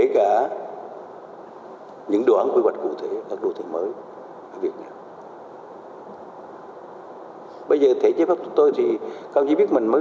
của tôi thì không chỉ biết mình mới